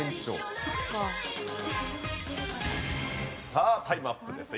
さあタイムアップです。